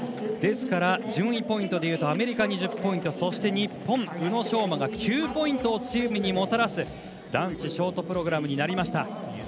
ですから、順位ポイントでいうとアメリカに１０ポイントそして日本、宇野昌磨が９ポイントをチームにもたらす男子ショートプログラムでした。